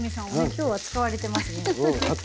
今日は使われてますね。